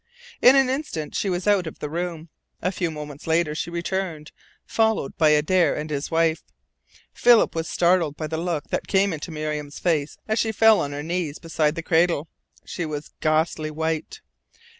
In an instant she was out of the room. A few moments later she returned, followed by Adare and his wife. Philip was startled by the look that came into Miriam's face as she fell on her knees beside the cradle. She was ghastly white.